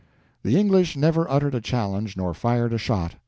The English never uttered a challenge nor fired a shot.